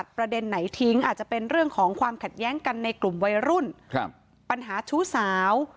เกี่ยวกับช่วยรุ่นปัญหาชู้สาว